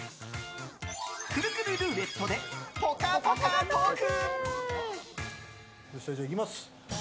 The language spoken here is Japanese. くるくるルーレットでぽかぽかトーク。